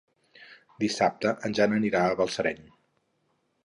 Dissabte en Jan anirà a Balsareny.